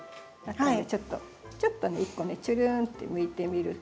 ちょっとね１個ねちゅるんってむいてみると。